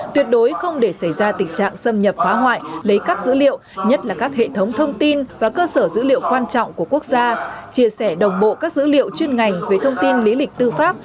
tuyệt đối không để xảy ra tình trạng xâm nhập phá hoại lấy cắp dữ liệu nhất là các hệ thống thông tin và cơ sở dữ liệu quan trọng của quốc gia chia sẻ đồng bộ các dữ liệu chuyên ngành về thông tin lý lịch tư pháp